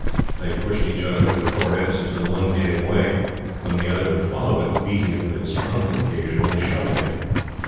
They pushed each other with their foreheads until one gave way, when the other would follow it, beating it with its trunk, and occasionally shoving it.